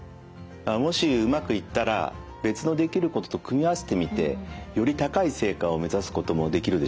もしうまくいったら別のできることと組み合わせてみてより高い成果を目指すこともできるでしょう。